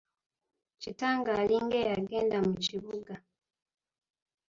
Kitange alinga eyagenda mu kibuga.